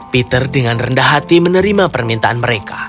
peter dengan rendah hati menerima permintaan mereka